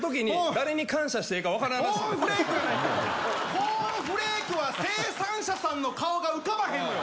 コーンフレークは生産者さんの顔が浮かばへんのよ！